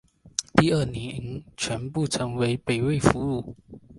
第二年全部成为北魏俘虏。